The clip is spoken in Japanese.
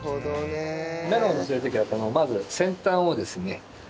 メロンをのせる時はまず先端をですね